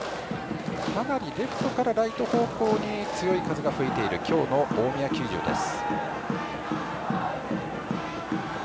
かなりレフトからライト方向に強い風が吹いている今日の大宮球場です。